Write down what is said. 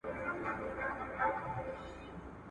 دکاروان سره روان په هر قدم کي